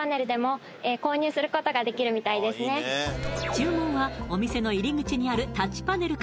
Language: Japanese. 注文はお店の入り口にあるタッチパネルか